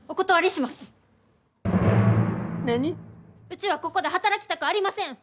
うちはここで働きたくありません！